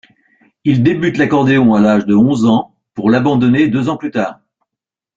Il débute l'accordéon à l'âge de onze ans pour l'abandonner deux ans plus tard.